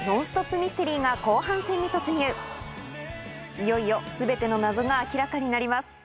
いよいよ全ての謎が明らかになります